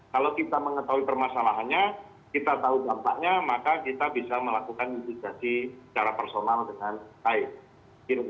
kalau kita mengetahui permasalahannya kita tahu dampaknya maka kita bisa melakukan mitigasi secara personal dengan baik